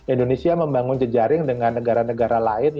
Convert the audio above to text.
indonesia membangun jejaring dengan negara negara lain yang like minded